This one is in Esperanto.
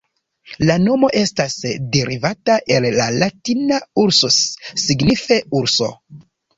La nomo estas derivata el la Latina "ursus", signife "urso".